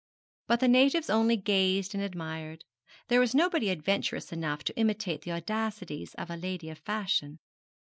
But the natives only gazed and admired. There was nobody adventurous enough to imitate the audacities of a lady of fashion.